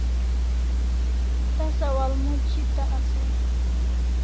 Tasa walmoc eta asaw